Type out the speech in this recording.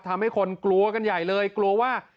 ทำให้คนกลัวกันใหญ่เลยกลัวว่า